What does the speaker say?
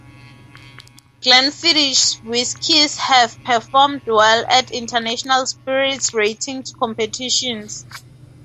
Glenfiddich's whiskies have performed well at international spirits ratings competitions.